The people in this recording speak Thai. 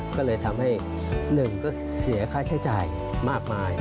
ก็เลยทำให้หนึ่งก็เสียค่าใช้จ่ายมากมาย